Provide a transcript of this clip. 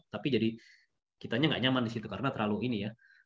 tapi jadi kitanya nggak nyaman di situ karena terlalu ini ya